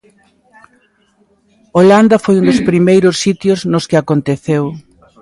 Holanda foi un dos primeiros sitios nos que aconteceu.